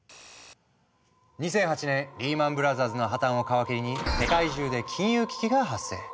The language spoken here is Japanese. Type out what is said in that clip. ２００８年リーマン・ブラザーズの破綻を皮切りに世界中で金融危機が発生。